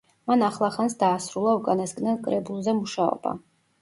მან ახლახანს დაასრულა უკანასკნელ კრებულზე მუშაობა.